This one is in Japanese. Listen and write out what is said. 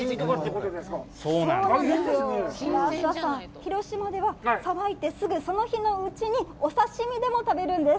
広島では、さばいてすぐ、その日のうちに、お刺身でも食べるんです。